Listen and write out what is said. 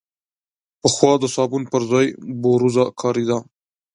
پخوا د صابون پر ځای بوروزه کارېده.